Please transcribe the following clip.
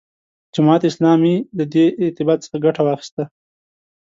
جماعت اسلامي له دې ارتباط څخه ګټه واخیسته.